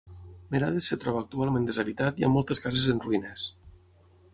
Merades es troba actualment deshabitat i amb moltes cases en ruïnes.